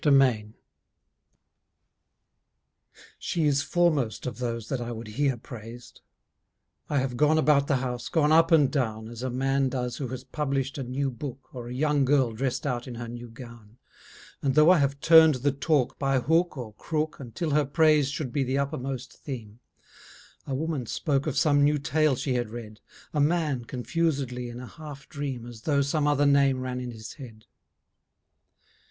HER PRAISE She is foremost of those that I would hear praised. I have gone about the house, gone up and down As a man does who has published a new book Or a young girl dressed out in her new gown, And though I have turned the talk by hook or crook Until her praise should be the uppermost theme, A woman spoke of some new tale she had read, A man confusedly in a half dream As though some other name ran in his head.